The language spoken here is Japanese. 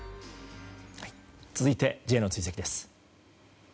続いてＪの追跡です。